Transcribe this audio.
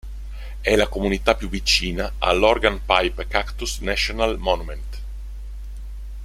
È la comunità più vicina all'Organ Pipe Cactus National Monument.